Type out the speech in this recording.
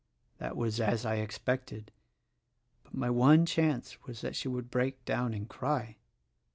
That was as I expected ; but my one chance was that she would break down and cry.